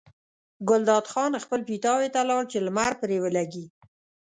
ګلداد خان خپل پیتاوي ته لاړ چې لمر پرې ولګي.